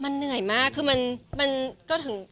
มันเหนื่อยมากคือมันก็ถึง